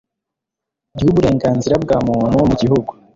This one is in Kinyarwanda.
ry uburenganzira bwa Muntu mu Gihugu